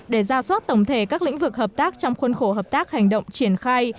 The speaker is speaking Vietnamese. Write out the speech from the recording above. để ra soát tổng thể các lĩnh vực hợp tác trong khuôn khổ hợp tác hành động triển khai